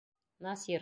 Насир.